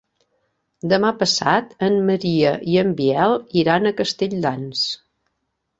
Demà passat en Maria i en Biel iran a Castelldans.